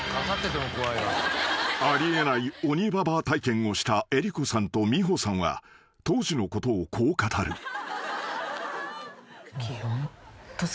［あり得ない鬼ババア体験をした江里子さんと美穂さんは当時のことをこう語る］